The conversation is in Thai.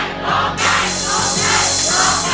ร้องได้ร้องได้